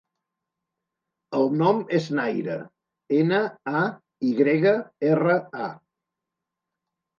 El nom és Nayra: ena, a, i grega, erra, a.